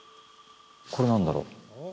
これ何だろう？